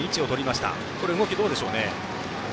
この動き、どうでしょうか？